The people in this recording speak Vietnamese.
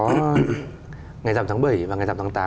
ngày rằm tháng bảy và ngày rằm tháng tám